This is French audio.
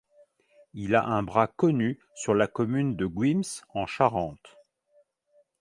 Il a un bras connu sur la commune de Guimps en Charente.